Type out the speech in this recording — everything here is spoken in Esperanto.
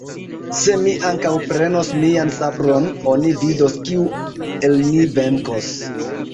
Se mi ankaŭ prenos mian sabron, oni vidos, kiu el ni venkos.